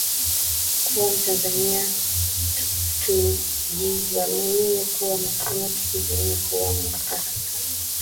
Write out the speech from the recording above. kuwa mtanzania tujivunie kuwa mkenya tujivunie kuwa mu east afrika